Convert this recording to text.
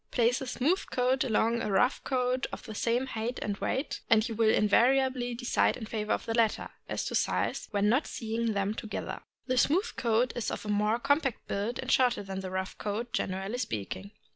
Place a smooth coat alongside of a rough coat of the same height and weight, and you will invariably decide in favor of the latter, as to size, when not seeing them together. The smooth coat is of a more compact build and shorter than the rough coat, generally speaking.